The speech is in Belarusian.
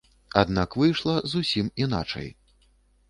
Аднак выйшла зусім іначай.